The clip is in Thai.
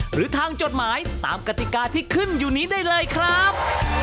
หรือทางจดหมายตามกติกาที่ขึ้นอยู่นี้ได้เลยครับ